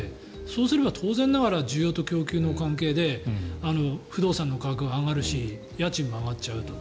そうすれば当然ながら需要と供給の関係で不動産の価格が上がるし家賃も上がっちゃうと。